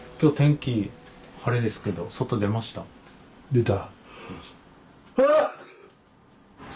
出た。